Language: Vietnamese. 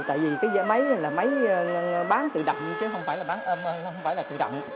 tại vì cái giải máy này là máy bán tự động chứ không phải là bán tự động